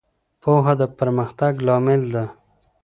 پوهه د پرمختګ لامل ده.